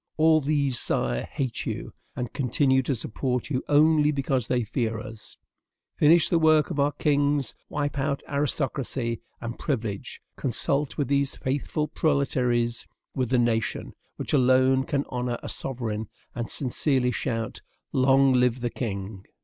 All these, Sire, hate you, and continue to support you only because they fear us. Finish the work of our kings; wipe out aristocracy and privilege; consult with these faithful proletaires, with the nation, which alone can honor a sovereign and sincerely shout, 'Long live the king!'"